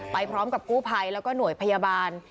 ไปพร้อมกับกู้ภัยแล้วก็หน่วยพยาบาล